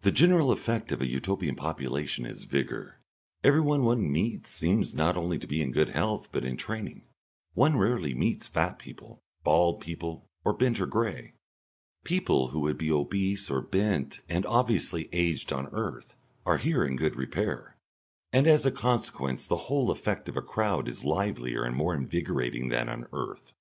The general effect of a Utopian population is vigour. Everyone one meets seems to be not only in good health but in training; one rarely meets fat people, bald people, or bent or grey. People who would be obese or bent and obviously aged on earth are here in good repair, and as a consequence the whole effect of a crowd is livelier and more invigorating than on earth.